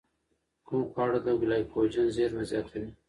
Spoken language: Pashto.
کوم خواړه د ګلایکوجن زېرمه زیاتوي؟